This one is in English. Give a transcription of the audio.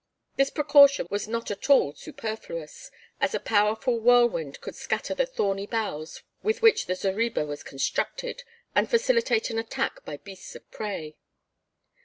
This precaution was not at all superfluous, as a powerful whirlwind could scatter the thorny boughs with which the zareba was constructed and facilitate an attack by beasts of prey.